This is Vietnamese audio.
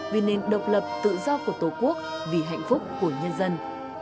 vì nền độc lập tự do của tổ quốc vì hạnh phúc của nhân dân